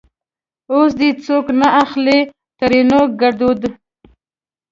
اوس دې چوک نه اخليں؛ ترينو ګړدود